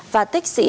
và tích sĩ